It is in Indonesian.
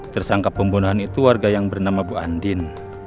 tersangka pembunuhan itu warga yang bernama bu andin